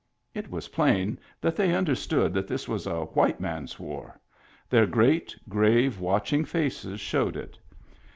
It was plain that they understood that this was a white man's war ; their great, grave, watching faces showed it.